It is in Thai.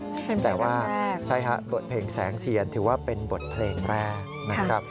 เป็นเพลงแรกใช่ครับบทเพลงแสงเทียนถือว่าเป็นบทเพลงแรก